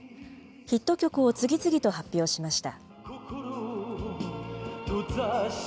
ヒット曲を次々と発表しました。